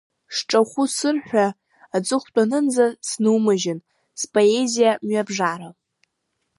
Сҿахәы сырҳәа аҵыхәтәанынӡа, снумыжьын, споезиа, мҩабжара.